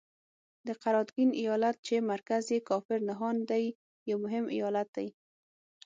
د قراتګین ایالت چې مرکز یې کافر نهان دی یو مهم ایالت دی.